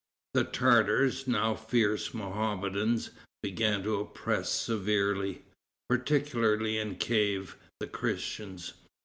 The Tartars, now fierce Mohammedans, began to oppress severely, particularly in Kief, the Christians.